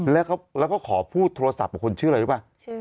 แล้วก็ขอพูดโทรศัพท์กับคนชื่ออะไรรู้ป่ะ